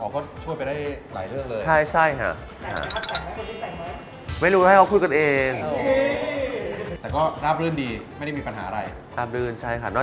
อ๋อเขาช่วยไปได้หลายเรื่องเลย